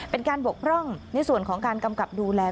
เป็นการบกพร่องในส่วนของการกำกับดูแล